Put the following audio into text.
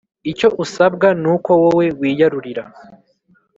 icyo usabwa nuko wowe wiyarurira”